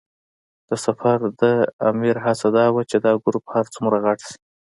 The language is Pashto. د سفر د امیر هڅه دا وه چې دا ګروپ هر څومره غټ شي.